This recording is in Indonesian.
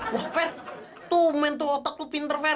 wah fer tuh mentuh otak lo pinter fer